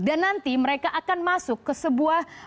dan nanti mereka akan masuk ke sebuah